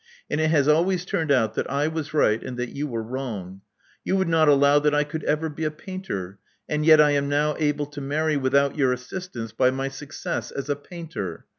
"And it has always turned out that I was right and that you were wrong. You would not allow that I could ever be a painter; and yet I am now able to marry without your assistance, by my success as a painter.